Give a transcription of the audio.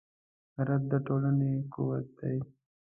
غیرت د ټولنې قوت دی